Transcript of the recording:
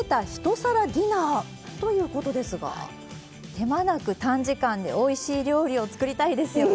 手間なく短時間でおいしい料理を作りたいですよね？